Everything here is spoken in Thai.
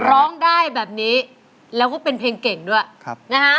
ร้องได้แบบนี้แล้วก็เป็นเพลงเก่งด้วยนะฮะ